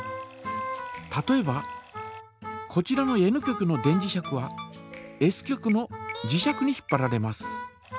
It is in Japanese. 例えばこちらのＮ極の電磁石はＳ極の磁石に引っぱられます。